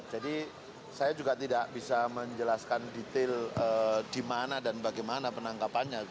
jadi saya juga tidak bisa menjelaskan detail dimana dan bagaimana penanggapannya itu